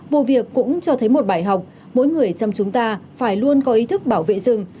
vụ việc cũng cho thấy một bài học mỗi người trong chúng ta phải luôn có ý thức bảo vệ rừng